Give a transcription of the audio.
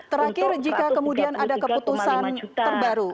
terakhir jika kemudian ada keputusan terbaru